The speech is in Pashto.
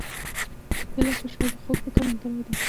ګیلاس د شاعر د خوږ فکر ملګری دی.